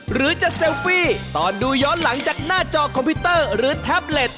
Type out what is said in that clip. หรือจะเซลฟี่ตอนดูย้อนหลังจากหน้าจอคอมพิวเตอร์หรือแท็บเล็ต